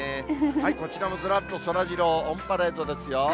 こちらもずらっとそらジロー、オンパレードですよ。